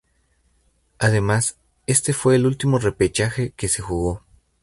Además, este fue el último repechaje que se jugó.